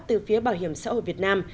từ phía bảo hiểm xã hội việt nam